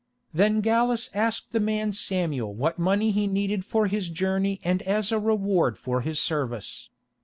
Then Gallus asked the man Samuel what money he needed for his journey and as a reward for his service.